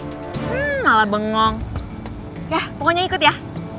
hmm malah bengong yah pokoknya ikut ya